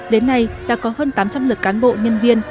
đến nay đã có hơn tám trăm linh lượt cán bộ nhân viên